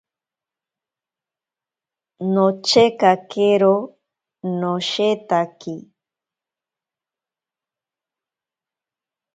Nochekakero noshetaki.